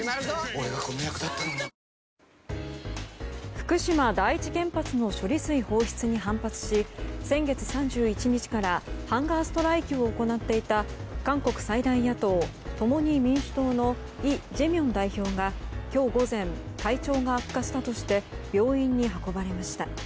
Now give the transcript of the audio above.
俺がこの役だったのに福島第一原発の処理水放出に反発し先月３１日からハンガーストライキを行っていた韓国最大野党・共に民主党のイ・ジェミョン代表が今日午前、体調が悪化したとして病院に運ばれました。